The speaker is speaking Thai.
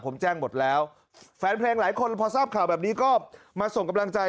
ผมแจ้งหมดแล้วแฟนเพลงหลายคนพอทราบข่าวแบบนี้ก็มาส่งกำลังใจ